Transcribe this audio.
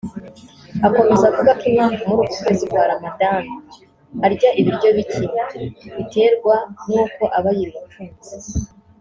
Akomeza avuga ko impamvu muri uku kwezi kwa Ramadhan arya ibiryo bike biterwa n’uko aba yiriwe afunze